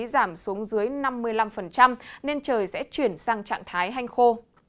giảm xuống dưới năm mươi năm nên trời sẽ chuyển sang trạng thái hanh khô